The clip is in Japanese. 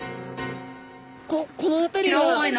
この辺りは。